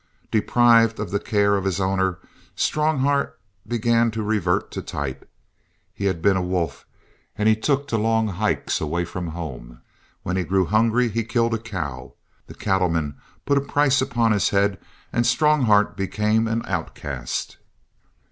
Deprived of the care of his owner, Strongheart began to revert to type. He had been a wolf and he took to long hikes away from home. When he grew hungry he killed a cow. The cattle men put a price upon his head and Strongheart became an outcast.